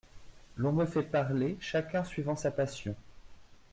L'on me fait parler chacun suivant sa passion.